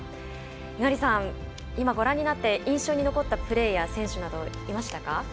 猪狩さん、ご覧になって印象に残ったプレーや選手などいましたか？